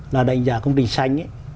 là đánh giá công ty xanh